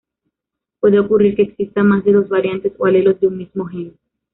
Puede ocurrir que existan más de dos variantes o alelos de un mismo gen.